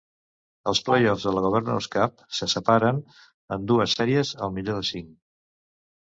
Els "play-offs" de la Governor's Cup se separen en dues sèries al millor de cinc.